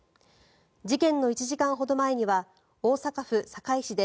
事件の１時間ほど前には大阪府堺市で